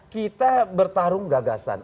kita bertarung gagasan